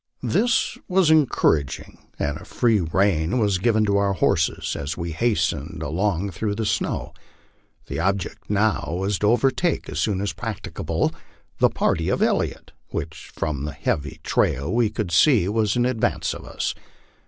This was encouraging, and a free rein was given to our horses as we hastened along through the snow. The object now was to overtake as soon as practicable the party of Elliot, which from the heavy trail we could see was in advance of us.